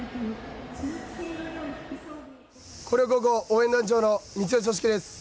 広陵高校応援団長の光吉俊貴です。